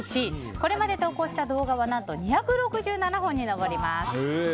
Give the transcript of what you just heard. これまで投稿した動画は２６７本に上ります。